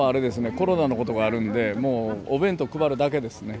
コロナのことがあるんでもうお弁当配るだけですね。